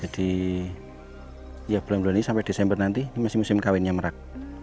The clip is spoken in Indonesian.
jadi ya bulan bulan ini sampai desember nanti ini masih musim kawinnya merak